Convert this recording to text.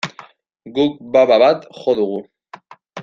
Guk baba bat jo dugu.